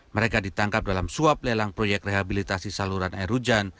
mereka ditangkap dalam suap lelang proyek rehabilitasi saluran air hujan